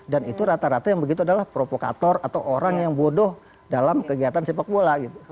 dan itu rata rata yang begitu adalah provokator atau orang yang bodoh dalam kegiatan sepak bola